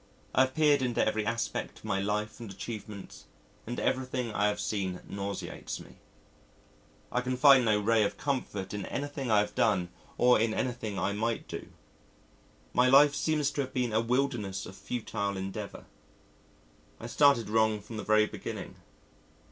I have peered into every aspect of my life and achievements and everything I have seen nauseates me. I can find no ray of comfort in anything I have done or in anything I might do. My life seems to have been a wilderness of futile endeavour. I started wrong from the very beginning.